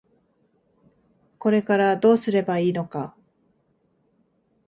これからどうすればいいのか。